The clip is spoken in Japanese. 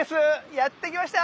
やって来ました。